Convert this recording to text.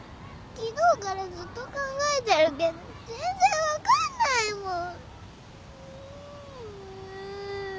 昨日からずっと考えてるけど全然分かんないもん！